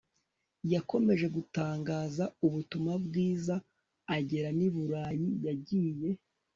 yakomeje gutangaza ubutumwa bwiza agera n i Burayi Yagiye